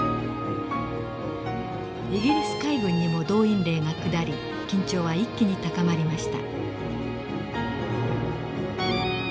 イギリス海軍にも動員令が下り緊張は一気に高まりました。